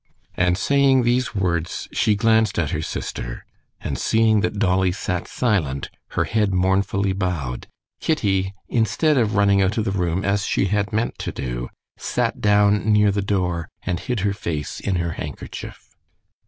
And saying these words she glanced at her sister, and seeing that Dolly sat silent, her head mournfully bowed, Kitty, instead of running out of the room as she had meant to do, sat down near the door, and hid her face in her handkerchief.